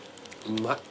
うまい。